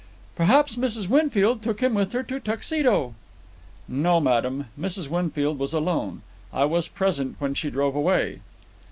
"Perhaps Mrs. Winfield took him with her to Tuxedo." "No, madam. Mrs. Winfield was alone. I was present when she drove away."